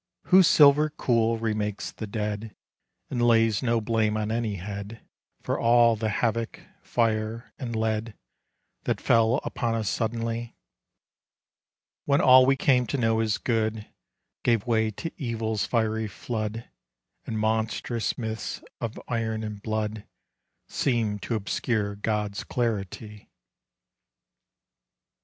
Whose silver cool remakes the dead, And lays no blame on any head F"or all the havo( , tiro, and lead, That fell upon us suddenly, When all we < ame to know as good Gave way to Evil's fiery Hood, And monstrous myths of iron and blood Seem to obscure God's clarity.